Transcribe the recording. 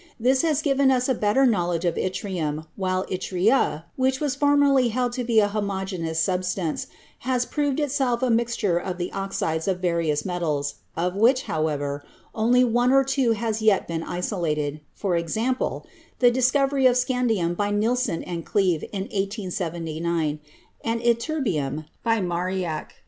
This has given us a better knowledge of yttrium, while yttria, which was formerly held to be a homogeneous substance, has proved itself a mixture of the oxides of various metals, of which, however, only one or two have as yet been isolated; for example, the discov ery of scandium by Nilson and Cleve in 1879, and of ytter bium by Marignac.